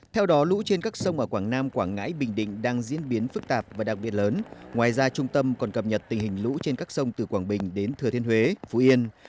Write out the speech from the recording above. theo đó lũ trên các sông ở quảng nam quảng ngãi bình định đang diễn biến phức tạp và đặc biệt lớn ngoài ra trung tâm còn cập nhật tình hình lũ trên các sông từ quảng bình đến thừa thiên huế phú yên